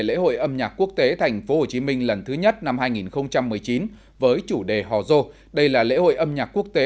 lễ hội âm nhạc quốc tế tp hcm lần thứ nhất năm hai nghìn một mươi chín với chủ đề hò dô đây là lễ hội âm nhạc quốc tế